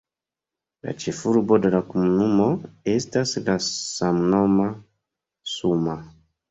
La ĉefurbo de la komunumo estas la samnoma "Suma".